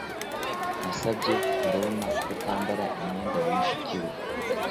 Nasabye Haruna kutambara imyenda ya mushiki we